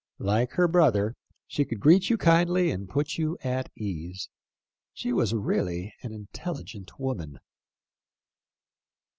Like her brother, she could greet you kindly and put you at ease. She was really an intelligent woman."